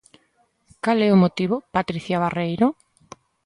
Cal é o motivo, Patricia Barreiro?